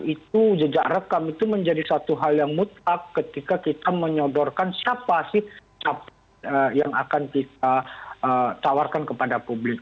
itu jejak rekam itu menjadi satu hal yang mutlak ketika kita menyodorkan siapa sih capres yang akan kita tawarkan kepada publik